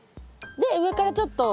で上からちょっと。